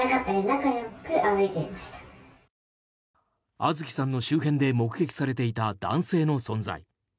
杏月さんの周辺で目撃されていた男性の存在。